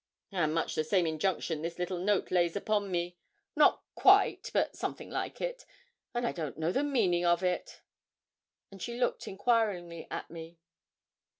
'And much the same injunction this little note lays upon me not quite, but something like it; and I don't know the meaning of it.' And she looked enquiringly at me.